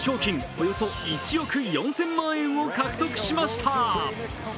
およそ１億４０００万円を獲得しました。